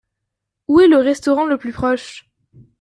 Où est le restaurant le plus proche ?